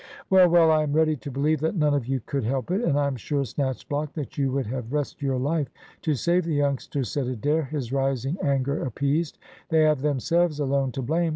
"Well, well, I am ready to believe that none of you could help it, and I am sure, Snatchblock, that you would have risked your life to save the youngsters," said Adair, his rising anger appeased. "They have themselves alone to blame.